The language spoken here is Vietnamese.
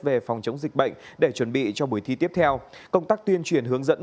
về phòng chống dịch bệnh để chuẩn bị cho buổi thi tiếp theo công tác tuyên truyền hướng dẫn